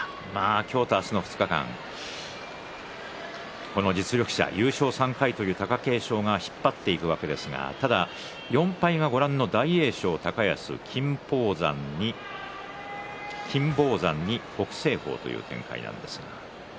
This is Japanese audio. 今日と明日の２日間、この実力者優勝３回という貴景勝が引っ張っていくわけですがただ４敗が大栄翔、高安、金峰山に北青鵬という展開です。